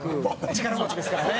力持ちですからね。